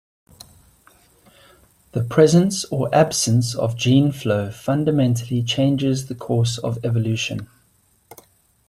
The presence or absence of gene flow fundamentally changes the course of evolution.